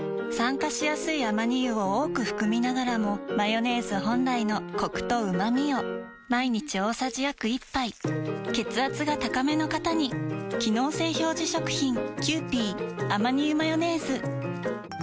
酸化しやすいアマニ油を多く含みながらもマヨネーズ本来のコクとうまみを毎日大さじ約１杯血圧が高めの方に機能性表示食品